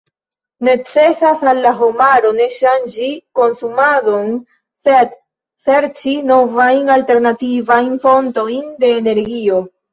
Necesas al la homaro ne ŝanĝi konsumadon, sed serĉi novajn alternativajn fontojn de energio.